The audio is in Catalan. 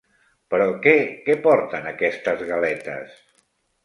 Però què, què porten, aquestes galetes?